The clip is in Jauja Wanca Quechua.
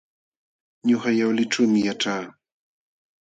Ñuqa Yawlićhuumi yaćhaa.